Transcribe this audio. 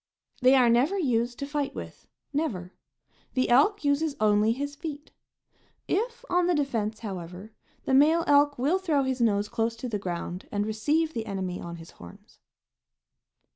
They are never used to fight with, never; the elk uses only his feet. If on the defense, however, the male elk will throw his nose close to the ground and receive the enemy on his horns.